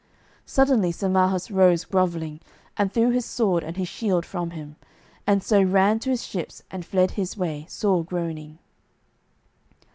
Suddenly Sir Marhaus rose grovelling, and threw his sword and his shield from him, and so ran to his ships and fled his way, sore groaning.